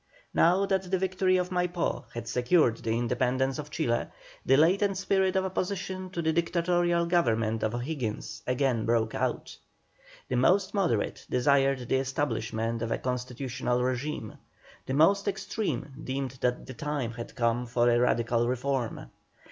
Now that the victory of Maipó had secured the independence of Chile, the latent spirit of opposition to the dictatorial government of O'Higgins again broke out. The most moderate desired the establishment of a constitutional régime; the more extreme deemed that the time had come for a radical reform.